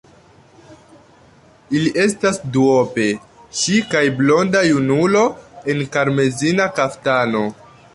Ili estas duope: ŝi kaj blonda junulo en karmezina kaftano.